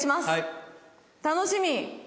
楽しみ！